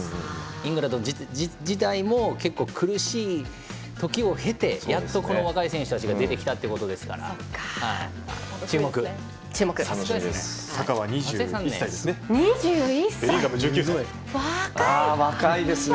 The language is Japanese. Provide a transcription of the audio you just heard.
イングランド自体も結構、苦しい時を経てやっと若い選手たちが出てきたということですから注目ですね。